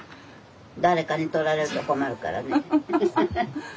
誰かに取られると困るからね。